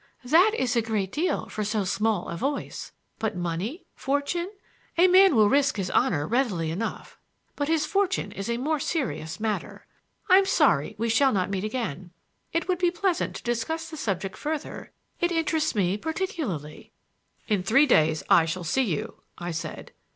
"That is a great deal,—for so small a voice; but money, fortune! A man will risk his honor readily enough, but his fortune is a more serious matter. I'm sorry we shall not meet again. It would be pleasant to discuss the subject further. It interests me particularly." "In three days I shall see you," I said.